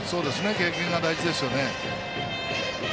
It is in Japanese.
経験が大事ですよね。